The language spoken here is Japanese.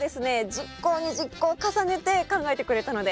熟考に熟考を重ねて考えてくれたので。